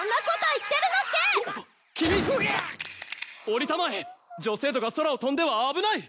おりたまえ女生徒が空を飛んでは危ない！